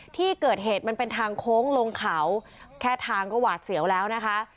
ที่เกิดเหตุมันเป็นทางโค้งลงเขาแค่ทางก็หวาดเสียวแล้วนะคะ